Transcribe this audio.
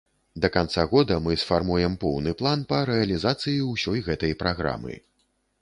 Да канца года мы сфармуем поўны план па рэалізацыі ўсёй гэтай праграмы.